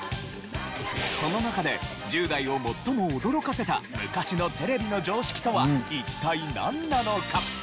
その中で１０代を最も驚かせた昔のテレビの常識とは一体なんなのか？